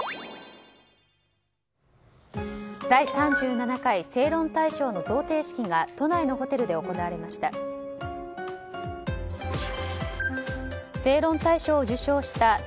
第３７回正論大賞の贈呈式が都内のホテルで行われました。